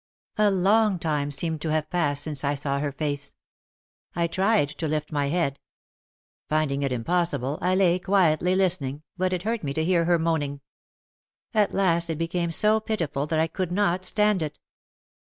A long time seemed to have passed since I saw her face. I tried to lift my head. Finding it impossible, I lay quietly listening, but it hurt me to hear her moaning. At last it became so pitiful that I could not stand it.